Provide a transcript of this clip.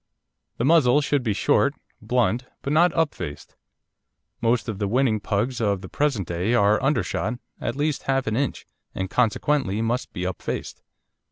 The muzzle should be short, blunt, but not upfaced. Most of the winning Pugs of the present day are undershot at least half an inch, and consequently must be upfaced.